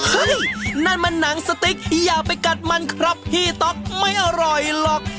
นั่นมันหนังสติ๊กอย่าไปกัดมันครับพี่ต๊อกไม่อร่อยหรอก